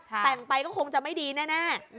แต่งไปก็คงจะไม่ดีแน่